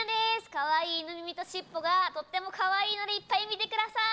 かわいい犬耳としっぽがとってもかわいいのでいっぱい見て下さい。